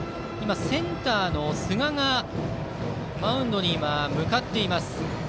センターの寿賀がマウンドに向かっています。